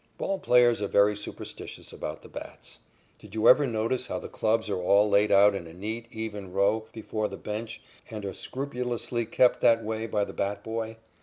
Ball players are very superstitious about the bats. Did you ever notice how the clubs are all laid out in a neat, even row before the bench and are scrupulously kept that way by the bat boy?